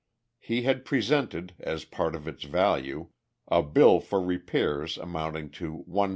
He had presented, as part of its value, a bill for repairs amounting to $1,348.